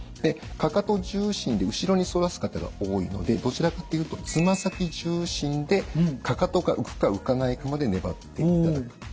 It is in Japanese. かかと重心で後ろに反らす方が多いのでどちらかっていうとつま先重心でかかとが浮くか浮かないかまで粘っていただく。